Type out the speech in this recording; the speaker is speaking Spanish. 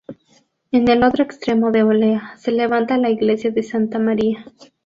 En el otro extremo de Olea, se levanta la iglesia de Santa María.